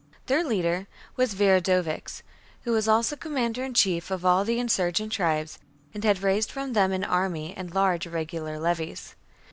Their leader was Viridovix, who was also commander in chief of all the insurgent tribes, and had raised from them an army and large irregular levies.